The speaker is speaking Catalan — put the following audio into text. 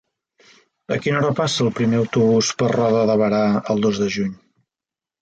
A quina hora passa el primer autobús per Roda de Berà el dos de juny?